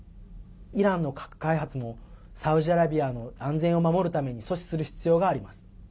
イランの核開発もサウジアラビアの安全を守るために阻止する必要があります。